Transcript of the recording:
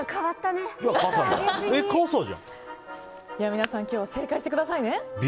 皆さん、今日正解してくださいね。